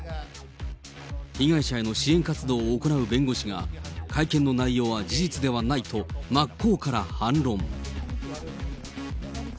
被害者への支援活動を行う弁護士が、会見の内容は事実ではないと真っ向から反論。